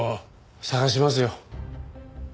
捜しますよ。